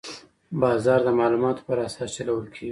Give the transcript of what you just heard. بازار د معلوماتو پر اساس چلول کېږي.